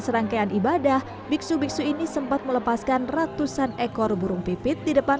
serangkaian ibadah biksu biksu ini sempat melepaskan ratusan ekor burung pipit di depan